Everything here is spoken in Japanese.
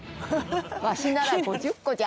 「ワシなら５０個じゃ」